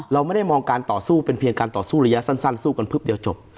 เราไม่ได้มองการต่อสู้เป็นเพียงการต่อสู้ระยะสั้นสู้กันพึบเดียวจบ